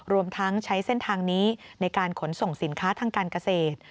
รวมทั้งใช้เส้นทางนี้ในการขนส่งสินค้าทางการเกษตร